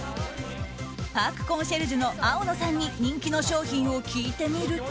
パークコンシェルジュの青野さんに人気の商品を聞いてみると。